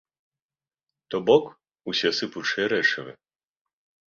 То бок усе сыпучыя рэчывы.